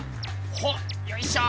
ほっよいしょ。